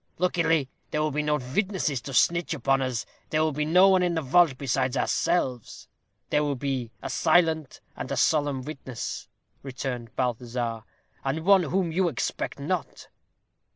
Luckily there will be no vitnesses to snitch upon us. There will be no one in the vault besides ourselves." "There will be a silent and a solemn witness," returned Balthazar, "and one whom you expect not."